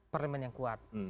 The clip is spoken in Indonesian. parlimen yang kuat